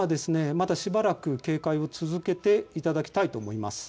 また、しばらく警戒を続けていただきたいと思います。